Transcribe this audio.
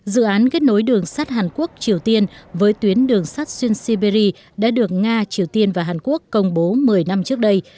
dự án kết nối đường sắt hàn quốc triều tiên với tuyến đường sắt xuyên siberia đã được nga triều tiên và hàn quốc công bố một mươi năm trước đây